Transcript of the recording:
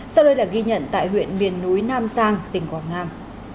sau đây là ghi nhận tại huyện miền núi nam giang tỉnh quảng nam